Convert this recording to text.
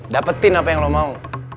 dapetin apa yang lo mau